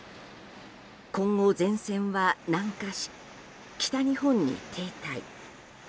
今後、前線は南下し北日本に停滞。